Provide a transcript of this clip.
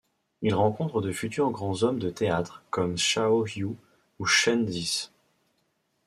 Il rencontre de futurs grands hommes de théâtre, comme Cao Yu ou Chen Zhice.